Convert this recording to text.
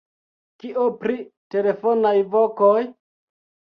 Kio pri telefonaj vokoj?